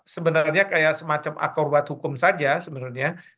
sebenarnya kayak semacam akorbat hukum saja